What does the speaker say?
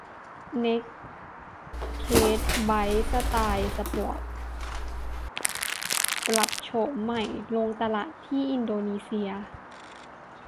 เนกเคดไบค์สไตล์สปอร์ตปรับโฉมใหม่ลงตลาดที่อินโดนีเซีย